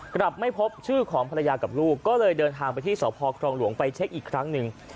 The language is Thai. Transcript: กลับไม่พบชื่อของภรรยากับลูกก็เลยเดินทางไปที่สพครองหลวงไปเช็คอีกครั้งหนึ่ง